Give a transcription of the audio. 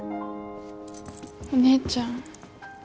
お姉ちゃん。